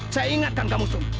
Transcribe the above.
saya ingatkan kamu sun